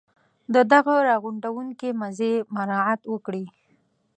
د دغه را غونډوونکي مزي مراعات وکړي.